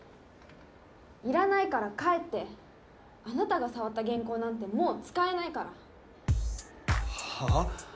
いらないから帰ってあなたが触った原稿なんてもう使えないからはあ？